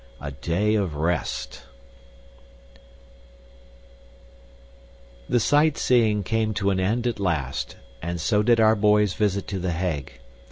A Day of Rest The sight seeing came to an end at last, and so did our boys' visit to The Hague.